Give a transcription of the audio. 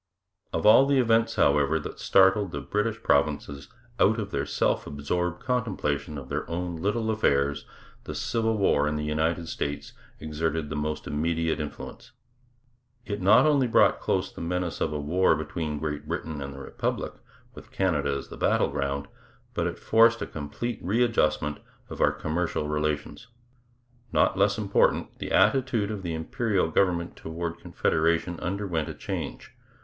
Of all the events, however, that startled the British provinces out of the self absorbed contemplation of their own little affairs, the Civil War in the United States exerted the most immediate influence. It not only brought close the menace of a war between Great Britain and the Republic, with Canada as the battle ground, but it forced a complete readjustment of our commercial relations. Not less important, the attitude of the Imperial government toward Confederation underwent a change.